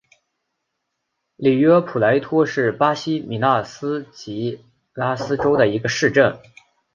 里约普雷托是巴西米纳斯吉拉斯州的一个市镇。